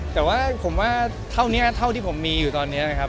แต่ว่าผมว่าเท่านี้เท่าที่ผมมีอยู่ตอนนี้นะครับ